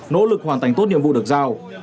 nỗ lực hoàn thành tốt nhiệm vụ được giao